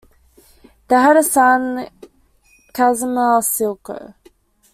They had a son, Casimir Silko.